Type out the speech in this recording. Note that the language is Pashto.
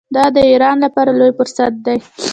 دا د ایران لپاره لوی فرصت دی.